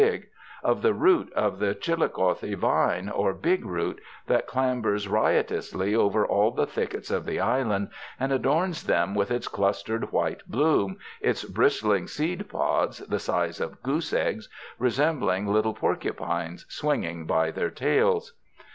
2, — of the root of the chilicothe vine or "big root," that clambers riotously over all the thickets of the island and adorns them with its clustered white bloom, its bristling seed pods the size of goose eggs resembling little porcupines swinging by their tails.